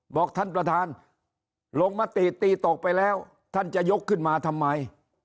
บอกท่านประธานลงมติตีตกไปแล้วท่านจะยกขึ้นมาทำไม